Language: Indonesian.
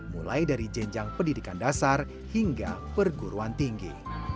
mulai dari jenjang pendidikan dasar hingga perguruan tinggi